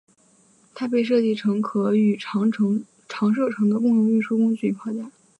它被设计成可与长射程的共用运输工具与炮架。